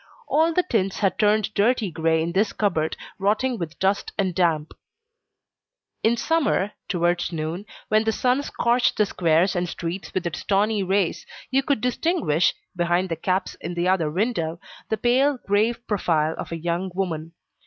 All the tints had turned dirty grey in this cupboard, rotting with dust and damp. In summer, towards noon, when the sun scorched the squares and streets with its tawny rays, you could distinguish, behind the caps in the other window, the pale, grave profile of a young woman.